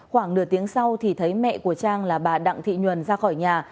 khoảng nửa tiếng sau thấy mẹ của trang là bà đặng thị nhuận ra khỏi nhà